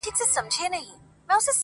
په بل کلي کي د دې سړي یو یار وو,